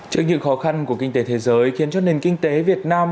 trước những khó khăn của kinh tế thế giới khiến cho nền kinh tế việt nam